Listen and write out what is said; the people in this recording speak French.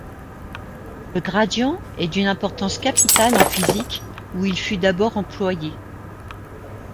Le gradient est d'une importance capitale en physique, où il fut d'abord employé.